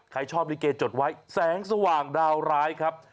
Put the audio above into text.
ใครชอบลิเกจดไว้แสงสว่างดาวร้ายครับ